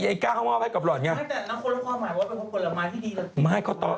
ไม่แต่แล้วเขารู้ความหมายก่อนเป็นความคนละมายที่ดีจันทรีย์